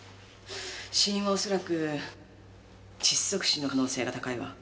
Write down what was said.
死因は恐らく窒息死の可能性が高いわ。